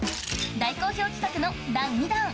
大好評企画の第２弾！